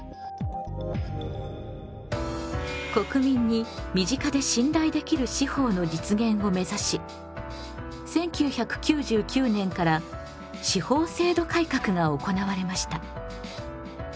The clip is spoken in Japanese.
国民に身近で信頼できる司法の実現を目指し１９９９年から司法制度改革が行われました。